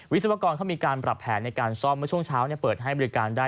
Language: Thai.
วิศวกรเขามีการปรับแผนในการซ่อมเมื่อช่วงเช้าเปิดให้บริการได้